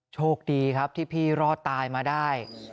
โชคดีครับที่พี่รอดตายมาได้